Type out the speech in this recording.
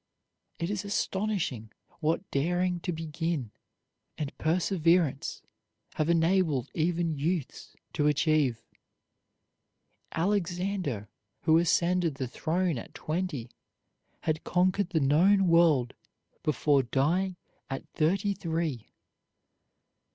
It is astonishing what daring to begin and perseverance have enabled even youths to achieve. Alexander, who ascended the throne at twenty, had conquered the known world before dying at thirty three.